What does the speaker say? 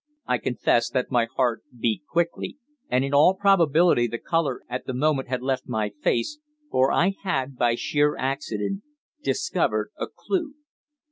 I confess that my heart beat quickly, and in all probability the colour at that moment had left my face, for I had, by sheer accident, discovered a clue.